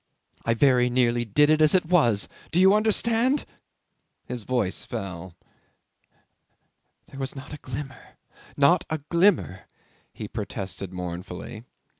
... I very nearly did it as it was do you understand?" His voice fell. "There was not a glimmer not a glimmer," he protested mournfully.